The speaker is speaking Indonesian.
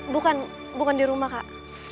bukan bukan di rumah kak